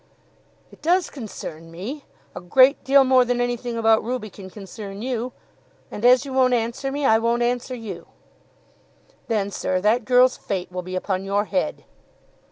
"It does concern me, a great deal more than anything about Ruby can concern you. And as you won't answer me, I won't answer you." "Then, sir, that girl's fate will be upon your head."